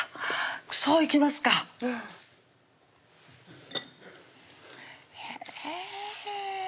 そういきますかへぇ